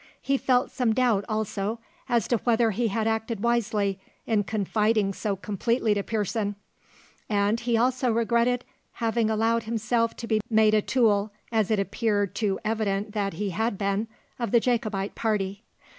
He felt some doubt, also, as to whether he had acted wisely in confiding so completely to Pearson; and he also regretted having allowed himself to be made a tool, as it appeared too evident that he had been, of the Jacobite party.